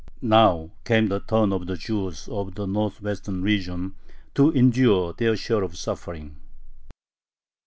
Now came the turn of the Jews of the northwestern region to endure their share of suffering.